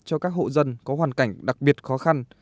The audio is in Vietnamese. cho các hộ dân có hoàn cảnh đặc biệt khó khăn